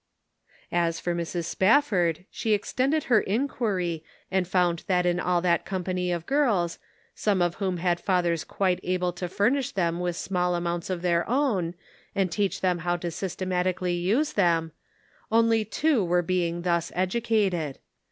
As for Mrs. Spafford, she extended her inquiry, and found that in all that company of girls, some of whom had fathers quite A Problem. 241 able to furnish them with small amounts of their own, and teach them how to systematically use them, only two were being thus educated.